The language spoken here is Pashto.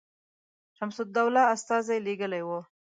شمس الدوله استازی لېږلی وو.